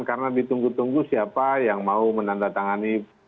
karena ditunggu tunggu siapa yang mau menandatangani